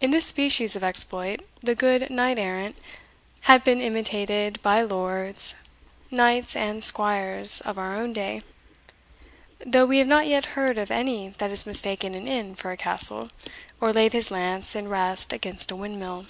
In this species of exploit, the good knight errant has been imitated by lords, knights, and squires of our own day, though we have not yet heard of any that has mistaken an inn for a castle, or laid his lance in rest against a windmill.